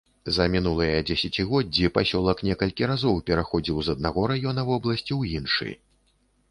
За мінулыя дзесяцігоддзі пасёлак некалькі разоў пераходзіў з аднаго раёна вобласці ў іншы.